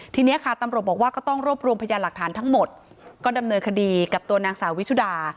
ทีนี้ค่ะตำรวจบอกว่าก็ต้องรวบรวมพยานหลักฐานทั้งหมดก็ดำเนินคดีกับตัวนางสาววิชุดา